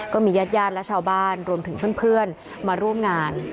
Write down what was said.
ก็มีญาติญาติและชาวบ้านรวมถึงเพื่อนมาร่วมงาน